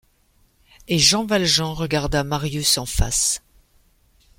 Et Jean Valjean regarda Marius en face.